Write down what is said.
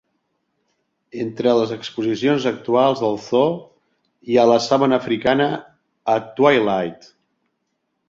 Entre les exposicions actuals del zoo hi ha la Savannah africana a Twilight.